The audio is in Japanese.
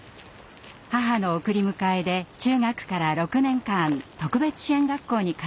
母の送り迎えで中学から６年間特別支援学校に通ってきました。